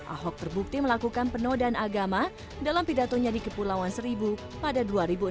ahok terbukti melakukan penodaan agama dalam pidatonya di kepulauan seribu pada dua ribu enam belas